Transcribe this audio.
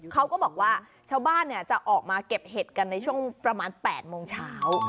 เขาก็บอกว่าชาวบ้านจะออกมาเก็บเห็ดกันในช่วงประมาณ๘โมงเช้า